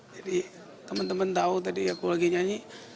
jadi teman teman tau tadi aku lagi nyanyi